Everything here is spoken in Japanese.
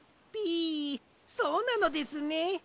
ピそうなのですね。